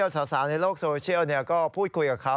สาวในโลกโซเชียลก็พูดคุยกับเขา